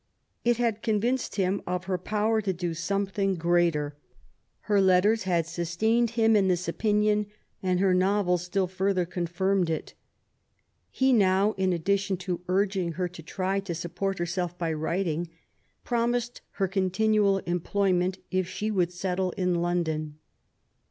It had convineed him of her power to do something greater. Her letters had sustained him in this opinion, and her novel still further confirmed it. He now, in addition to urging her to try to support herself by writing, promised her continual employment if she would settle in London.